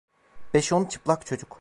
Beş on çıplak çocuk…